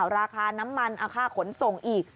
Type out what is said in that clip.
ราคาน้ำมันค่าขนส่งอีก